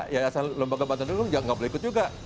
ya asal lembaga bantuan dulu jangan ikut juga